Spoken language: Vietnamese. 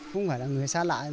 không phải là người xa lại